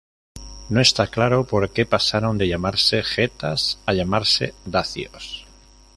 No está claro porque pasaron de llamarse getas a llamarse dacios.